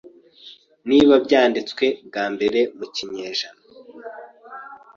niba byanditswe bwa mbere mu kinyejana